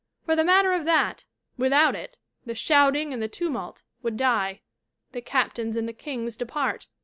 For the matter of that, without it 'the shouting and the tumult' would die, 'the captains and the kings depart.'